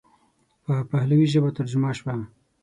په پهلوي ژبه ترجمه شوه.